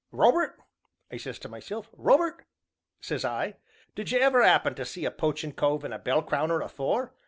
'Robert,' I says to meself, 'Robert,' I sez, 'did you ever 'appen to see a poachin' cove in a bell crowner afore?